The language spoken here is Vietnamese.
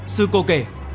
sư cô kể